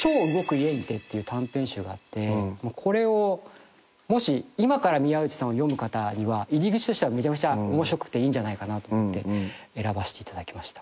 ていう短編集があってこれをもし今から宮内さんを読む方には入り口としてはめちゃくちゃ面白くていいんじゃないかなと思って選ばしていただきました。